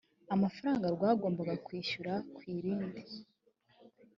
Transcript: amafaranga rwagombaga kwishyura ku rindi